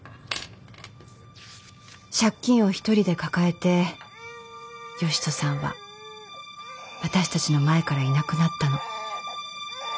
借金を一人で抱えて善人さんは私たちの前からいなくなったの。